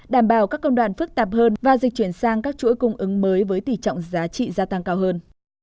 đảm bảo các công đoàn phức tạp hơn và dịch chuyển sang các chuỗi cung ứng mới với tỷ trọng giá trị gia tăng cao hơn